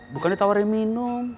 bukan ditawarin minum